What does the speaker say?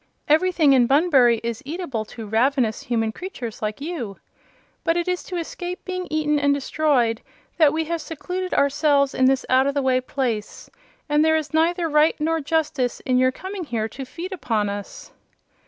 Everything in Bunbury is eatable to ravenous human creatures like you. But it is to escape being eaten and destroyed that we have secluded ourselves in this out of the way place, and there is neither right nor justice in your coming here to feed upon us."